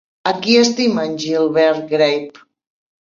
A qui estima, en Gilbert Grape?